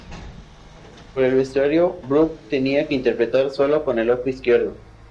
Por el vestuario, Brook tenía que interpretar sólo con el ojo izquierdo.